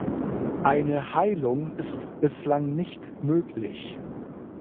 Eine Heilung ist bislang nicht möglich.